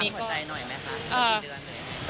พักหัวใจหน่อยไหมค่ะ